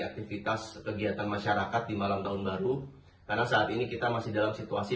aktivitas kegiatan masyarakat di malam tahun baru karena saat ini kita masih dalam situasi